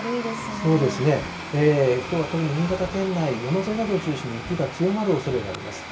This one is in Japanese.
そうですね、きょうは特に新潟県内、山沿いなどを中心に、雪が強まるおそれがあります。